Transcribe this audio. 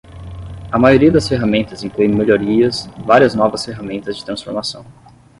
A maioria das ferramentas inclui melhorias, várias novas ferramentas de transformação.